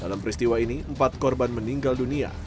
dalam peristiwa ini empat korban meninggal dunia